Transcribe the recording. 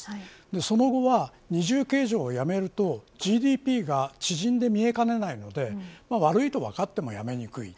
その後は二重計上をやめるとＧＤＰが縮んで見えかねないので悪いと分かってもやめにくい。